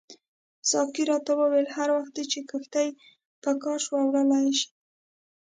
ساقي راته وویل هر وخت چې دې کښتۍ په کار شوه وړلای یې شې.